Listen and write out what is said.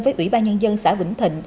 với ủy ban nhân dân xã vĩnh thịnh